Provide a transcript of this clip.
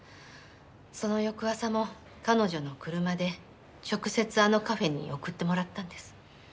その翌朝も彼女の車で直接あのカフェに送ってもらったんです。